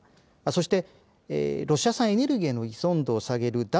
そして、ロシア産エネルギーへの依存度を下げる脱